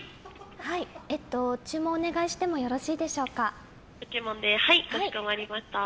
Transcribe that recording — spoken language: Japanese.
注文をお願いしてもよろしいでしょうか？